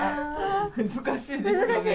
難しいです。